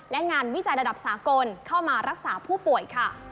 และงานวิจัยระดับสากลเข้ามารักษาผู้ป่วยค่ะ